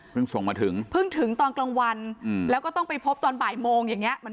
เพิ่งถึงเมื่อกลางวันก็ต้องไปพบตอนบ่ายโมง